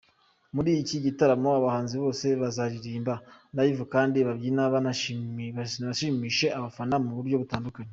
Muri iki gitaramo, abahanzi bose bazaririmba live kandi babyine banashimishe abafana mu buryo butandukanye.